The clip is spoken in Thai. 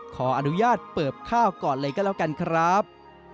ขออนุญาตเปิบข้าวก่อนเลยก็แล้วกันครับ